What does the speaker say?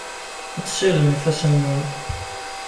Ad tessirdem ifassen-nwen.